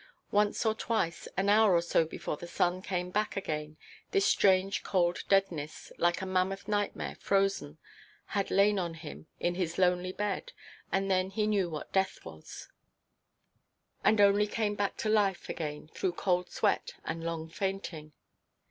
Once or twice, an hour or so before the sun came back again, this strange cold deadness (like a mammoth nightmare frozen) had lain on him, in his lonely bed, and then he knew what death was, and only came back to life again through cold sweat and long fainting.